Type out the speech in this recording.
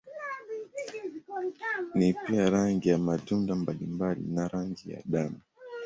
Ni pia rangi ya matunda mbalimbali na rangi ya damu.